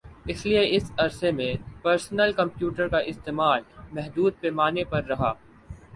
اس لئے اس عرصے میں پرسنل کمپیوٹر کا استعمال محدود پیمانے پر رہا